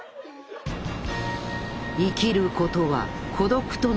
生きることは孤独との戦い。